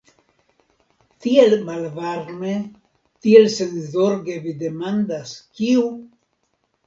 Tiel malvarme, tiel senzorge vi demandas, kiu?